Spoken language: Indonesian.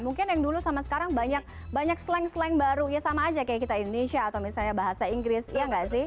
mungkin yang dulu sama sekarang banyak slang slang baru ya sama aja kayak kita indonesia atau misalnya bahasa inggris iya nggak sih